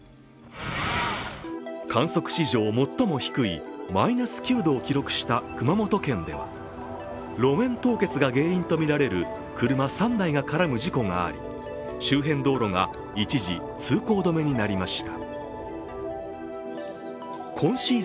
観測史上最も低いマイナス９度を記録した熊本県では路面凍結が原因とみられる車３台が絡む事故があり、周辺道路が一時、通行止めになりました。